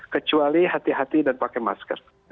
kecuali hati hati dan pakai masker